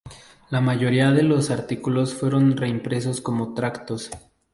La mayoría de los artículos fueron reimpresos como tractos.